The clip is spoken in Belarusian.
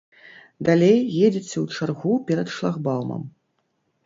Далей едзеце ў чаргу перад шлагбаумам.